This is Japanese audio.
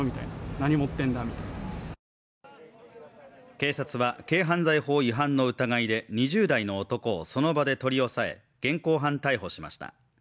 警察は、軽犯罪法違反の疑いで２０代の男をその場で取り押さえ現行犯逮捕しました。